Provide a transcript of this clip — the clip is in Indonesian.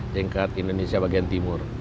tingkat indonesia bagian timur